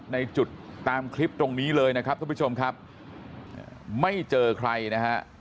ในจุดตามคลิปตรงนี้เลยนะครับทุกผู้ชมครับไม่เจอใครนะฮะ